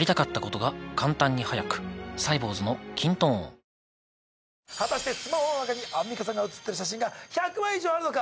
カロカロカロカロカロリミット果たしてスマホの中にアンミカさんが写ってる写真が１００枚以上あるのか？